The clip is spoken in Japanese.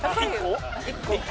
１個？